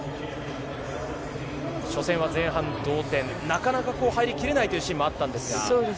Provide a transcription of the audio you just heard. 初戦は前半同点なかなか入りきれないというシーンもあったんですが。